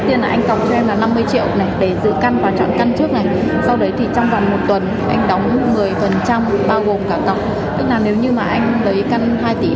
tức là cái tiến độ như thế này là trước tiên là anh cọc cho em là năm mươi triệu này để giữ căn và chọn căn trước này